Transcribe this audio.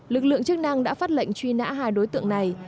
lực lượng chức năng đã phát lệnh truy nã hai đối tượng này